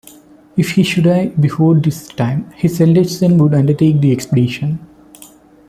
If he should die before this time, his eldest son would undertake the expedition.